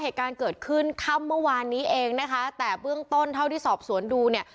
เหตุการณ์เกิดขึ้นค่ำเมื่อวานนี้เองนะคะแต่เบื้องต้นเท่าที่สอบสวนดูเนี่ย